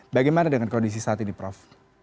bagaimana dengan kondisi saat ini prof